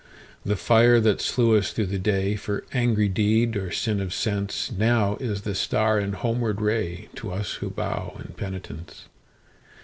The fire that slew us through the dayFor angry deed or sin of senseNow is the star and homeward rayTo us who bow in penitence.